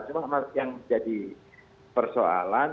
cuma yang menjadi persoalan